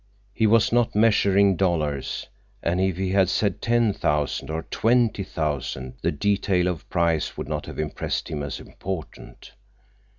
He was not measuring dollars, and if he had said ten thousand or twenty thousand, the detail of price would not have impressed him as important.